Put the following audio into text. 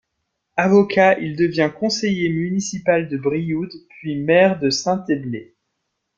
Avocat, il devient conseiller municipal de Brioude, puis maire de Saint-Eble.